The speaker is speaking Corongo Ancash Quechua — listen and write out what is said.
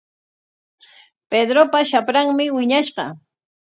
Pedropa shapranmi wiñashqa.